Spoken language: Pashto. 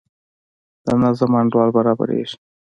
د نظم انډول برابریږي.